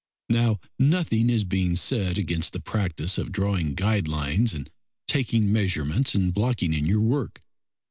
Now, nothing is being said against the practice of drawing guide lines and taking measurements and blocking in your work.